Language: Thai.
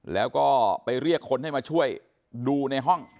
แล้วก็ไปเรียกคนให้มาช่วยดูในห้อง